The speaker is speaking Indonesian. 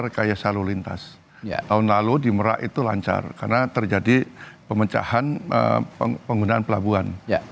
rekayasa lalu lintas tahun lalu di merak itu lancar karena terjadi pemecahan penggunaan pelabuhan